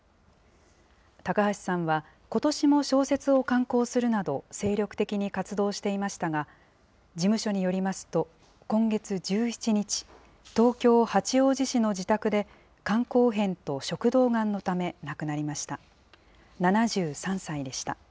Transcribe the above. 高橋さんは、ことしも小説を刊行するなど、精力的に活動していましたが、事務所によりますと、今月１７日、東京・八王子市の自宅で、肝硬変と食道がんのため亡くなりました。